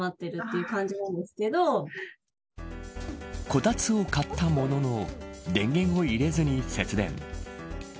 こたつを買ったものの電源を入れずに節電。